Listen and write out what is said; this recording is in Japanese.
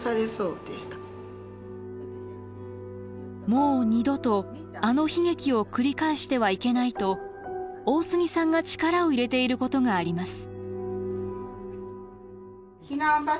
もう二度とあの悲劇を繰り返してはいけないと大杉さんが力を入れていることがあります。